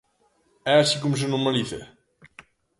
É así como se normaliza?